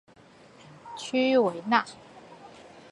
屈维耶。